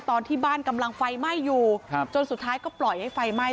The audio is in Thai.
ตอนที่บ้านกำลังไฟไหม้อยู่จนสุดท้ายก็ปล่อยให้ไฟไหม้